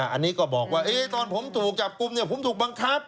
อันนี้ก็บอกว่าตอนผมถูกจับกลุ่มผมถูกบังคับ